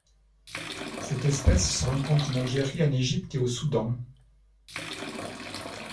Cette espèce se rencontre en Algérie, en Égypte et au Soudan.